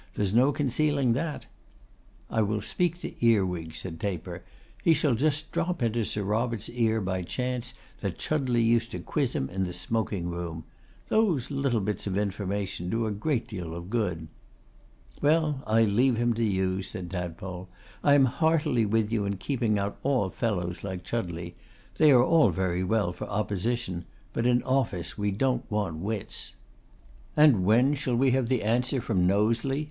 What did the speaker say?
'There is no concealing that.' 'I will speak to Earwig,' said Taper. 'He shall just drop into Sir Robert's ear by chance, that Chudleigh used to quiz him in the smoking room. Those little bits of information do a great deal of good.' 'Well, I leave him to you,' said Tadpole. 'I am heartily with you in keeping out all fellows like Chudleigh. They are very well for opposition; but in office we don't want wits.' 'And when shall we have the answer from Knowsley?